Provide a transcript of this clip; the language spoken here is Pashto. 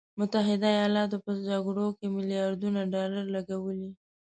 متحده ایالاتو په جګړو کې میلیارډونه ډالر لګولي.